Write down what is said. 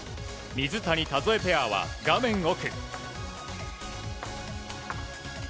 水谷、田添ペアは画面奥。